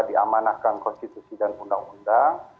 diamanahkan konstitusi dan undang undang